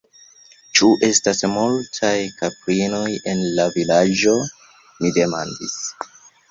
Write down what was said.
Ĉu estas multaj kaprinoj en la Vilaĝo? mi demandis.